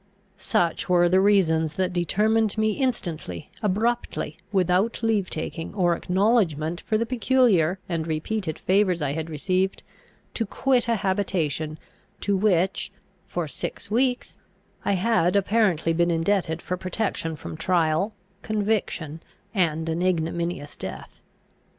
Such were the reasons that determined me instantly, abruptly, without leave taking, or acknowledgment for the peculiar and repeated favours I had received, to quit a habitation to which, for six weeks, I had apparently been indebted for protection from trial, conviction, and an ignominious death.